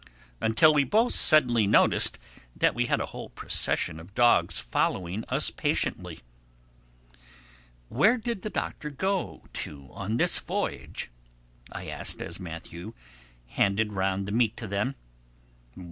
until we both suddenly noticed that we had a whole procession of dogs following us patiently. "Where did the Doctor go to on this voyage?" I asked as Matthew handed round the meat to them.